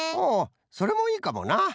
ほうそれもいいかもな。